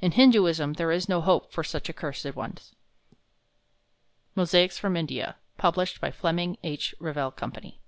In Hinduism there is no hope for such accursed ones. _"Mosaics From India," published by Fleming H. Revell Company.